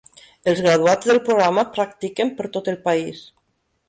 Els graduats del programa practiquen per tot el país.